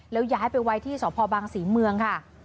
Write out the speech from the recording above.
แล้วย้ายไปไว้ที่สพศรีเมือง